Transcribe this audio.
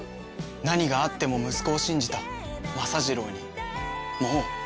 何があっても息子を信じた政次郎にもう。